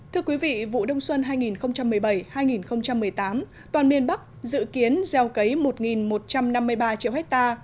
thưa quý vị vụ đông xuân hai nghìn một mươi bảy hai nghìn một mươi tám toàn miền bắc dự kiến gieo cấy một một trăm năm mươi ba triệu ha